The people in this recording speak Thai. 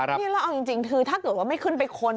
นี่เราเอาจริงถ้าเกิดไม่ขึ้นไปค้น